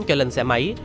cho lên xe máy